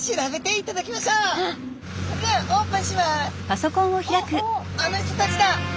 あの人たちだ！